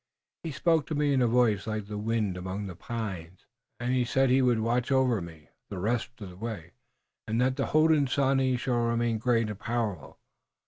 He spoke to me in a voice like the wind among the pines, and he said that he would watch over me the rest of the way, and that the Hodenosaunee should remain great and powerful.